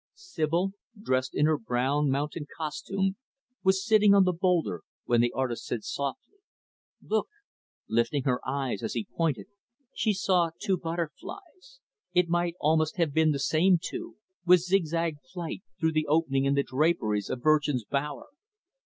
Sibyl, dressed in her brown, mountain costume, was sitting on the boulder, when the artist said softly, "Look!" Lifting her eyes, as he pointed, she saw two butterflies it might almost have been the same two with zigzag flight, through the opening in the draperies of virgin's bower.